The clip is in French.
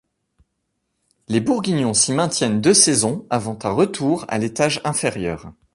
Les Bourguignons s'y maintiennent deux saisons avant un retour à l'étage inférieur.